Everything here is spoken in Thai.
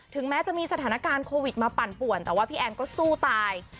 แม้จะมีสถานการณ์โควิดมาปั่นป่วนแต่ว่าพี่แอนก็สู้ตาย